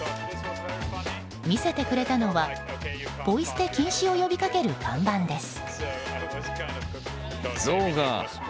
見せてくれたのはポイ捨て禁止を呼びかける看板です。